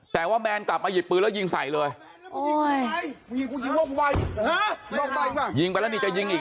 แต่ว่าแมนกลับมาหยิบปืนแล้วยิงใส่เลยลงไปป่ะยิงไปแล้วนี่จะยิงอีก